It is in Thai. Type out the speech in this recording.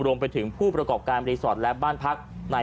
รวมไปถึงผู้ประกอบการรีสอร์ทและบ้านพัก